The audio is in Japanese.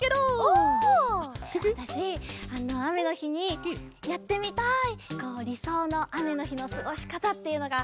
わたしあめのひにやってみたいりそうのあめのひのすごしかたっていうのがふたつあって。